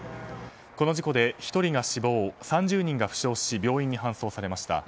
この事故で１人が死亡、３０人が負傷し病院に搬送されました。